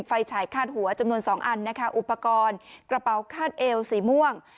ฉายคาดหัวจำนวน๒อันนะคะอุปกรณ์กระเป๋าคาดเอวสีม่วง